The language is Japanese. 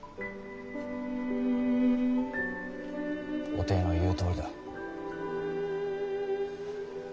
おていの言うとおりだ。